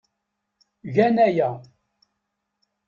Gan aya.